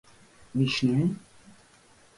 Wie schnell?